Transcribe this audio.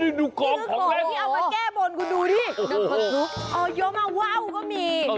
นี่คือของที่แก้บนเดิม